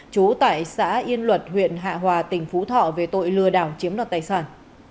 trú tại xã yên luật huyện hạ hòa tỉnh phú thọ về tội lừa đảo chiếm đoạt tài sản